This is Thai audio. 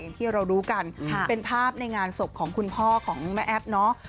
อย่างที่เรารู้กันเป็นภาพในงานศพของคุณพ่อของแม่แอ๊บเนาะ